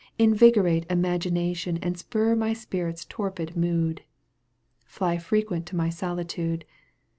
Invigorate imagination And spur my spirit's torpid mood ! Fly frequent to my solitude.